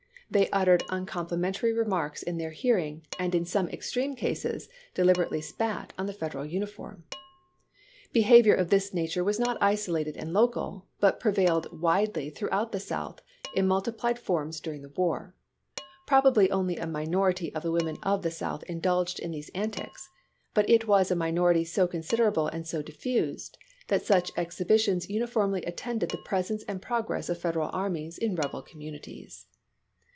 They uttered uncompli mentary remarks in their hearing, and in some extreme cases deliberately spat on the Federal uniform. Behavior of this natm^e was not isolated and local, but prevailed widely throughout the South in multiplied fonns during the war. Prob ably only a minority of the women of the South indulged in these antics ; but it was a minority so considerable and so diffused that such exhibitions uniformly attended the presence and progress of Federal armies in rebel communities.